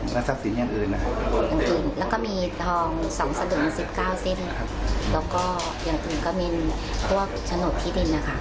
แล้วทรัพย์สินอย่างอื่นนะคะแล้วมีทอง๒สะดุ่ม๑๙สิ้นแล้วก็อย่างอื่นก็มีทั่วโฉหนดที่ดินนะคะ